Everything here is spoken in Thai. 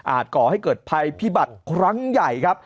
ก่อให้เกิดภัยพิบัติครั้งใหญ่ครับ